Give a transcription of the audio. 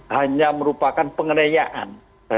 hanya merupakan pengeneyaan